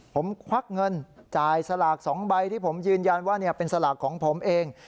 ผมควักเงินจ่ายสลาก๒ใบที่ผมยืนยันว่าเป็นสลากของผมเอง